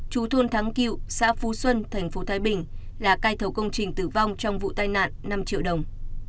chú thôn thắng cựu xã phú xuân tp thái bình là cai thầu công trình tử vong trong vụ tai nạn năm triệu đồng